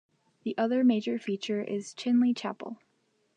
The other major feature is Chinley Chapel.